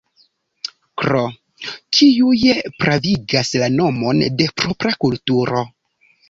Kr., kiuj pravigas la nomon de propra kulturo.